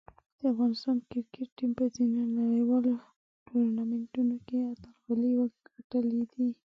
د افغانستان کرکټ ټیم په ځینو نړیوالو ټورنمنټونو کې اتلولۍ وګټلې دي.